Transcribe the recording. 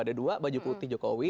ada dua baju putih jokowi